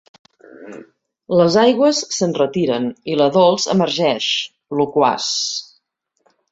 Les aigües s'enretiren i la Dols emergeix, loquaç.